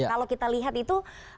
kalau kita lihat itu